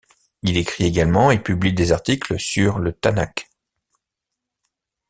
Il écrit également et publie des articles sur le Tanakh.